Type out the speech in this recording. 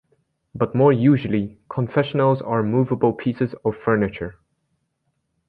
But more usually, confessionals are movable pieces of furniture.